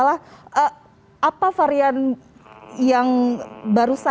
bukan varian pak